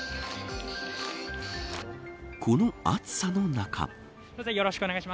この暑さの中。